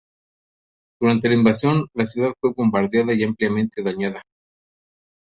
Durante la invasión, la ciudad fue bombardeada y ampliamente dañada.